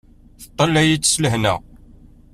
Teṭṭalay-it s lhenna.